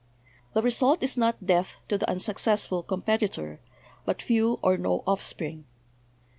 The result is not death to the unsuc cessful competitor, but few or no offspring.